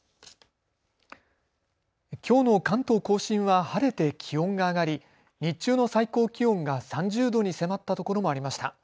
きょうの関東甲信は晴れて気温が上がり、日中の最高気温が３０度に迫ったところもありました。